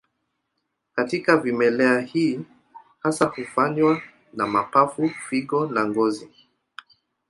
Katika vimelea hii hasa hufanywa na mapafu, figo na ngozi.